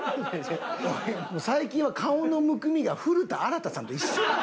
最近は顔のむくみが古田新太さんと一緒や。